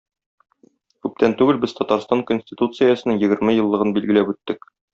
Күптәп түгел без Татарстан Конституциясенең егерме еллыгын билгеләп үттек.